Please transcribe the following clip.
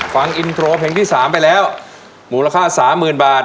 ฟังอินโทรเพลงที่สามไปแล้วหมูราคาสามหมื่นบาท